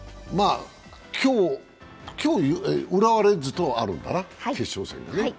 今日浦和レッズとあるんだな、決勝戦がね。